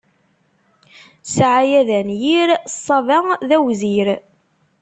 Ssɛaya d anyir, ṣṣaba d awzir.